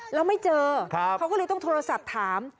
แล้วไม่เจอเขาก็เลยต้องโทรศัพท์ถาม